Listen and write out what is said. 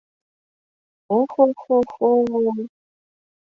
Ох-хо-хо-хо-о!